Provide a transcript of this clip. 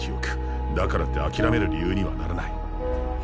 だからってあきらめる理由にはならない。